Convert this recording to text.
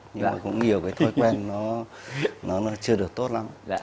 nhưng mà cũng nhiều thói quen nó chưa được tốt lắm